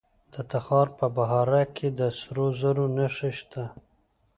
د تخار په بهارک کې د سرو زرو نښې شته.